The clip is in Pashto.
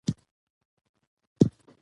افغانستان په فاریاب غني دی.